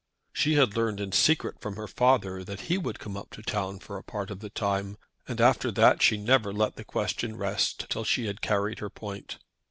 She had learned in secret from her father that he would come up to town for a part of the time, and after that she never let the question rest till she had carried her point.